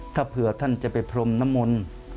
ถ้าเผื่อท่านจะไปพรมนมล